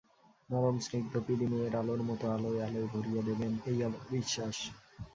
নরম স্নিগ্ধ পিদিমের আলোর মতো আলোয় আলোয় ভরিয়ে দেবেন—এই আমার বিশ্বাস।